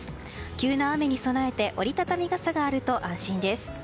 急な雨に備えて折り畳み傘があると安心です。